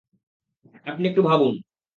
আপনি একটু ভাবুন।